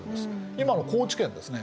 今の高知県ですね。